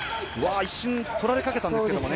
一瞬取られかけたんですけどね。